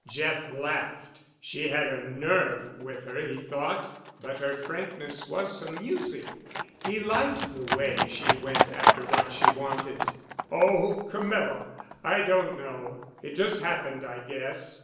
Jeff laughed. She had her nerve with her, he thought, but her frankness was amusing. He liked the way she went after what she wanted. "Oh, Camilla—I don't know. It just happened, I guess.